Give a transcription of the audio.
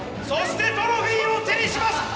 そしてトロフィーを手にします